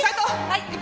はい！